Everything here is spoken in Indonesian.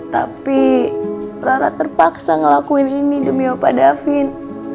tapi rara terpaksa ngelakuin ini demi apa davin